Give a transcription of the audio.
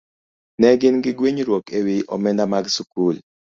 Ne gin gi gwenyruok e wi omenda mag skul.